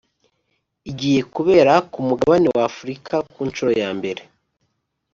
igiye kubera ku mugabane wa Afurika ku nshuro ya Mbere